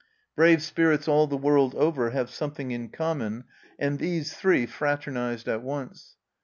Brave spirits all the world over have something in common, and these three fraternized at once.